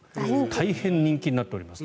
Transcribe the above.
大変人気になっております。